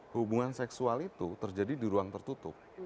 hubungan seksual itu terjadi di ruang tertutup